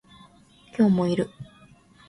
今日もいる